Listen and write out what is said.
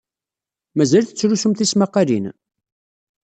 Mazal tettlusum tismaqqalin?